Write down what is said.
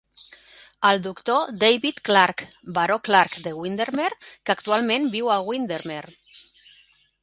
El doctor David Clark, baró Clark de Windermere, que actualment viu a Windermere.